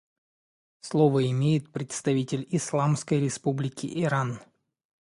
Слово имеет представитель Исламской Республики Иран.